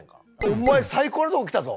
お前最高のとこ来たぞ。